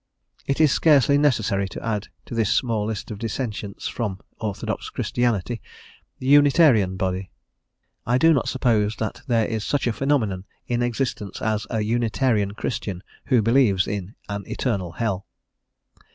It is scarcely necessary to add to this small list of dissentients from orthodox Christianity, the Unitarian body; I do not suppose that there is such a phenomenon in existence as a Unitarian Christian who believes in an eternal hell.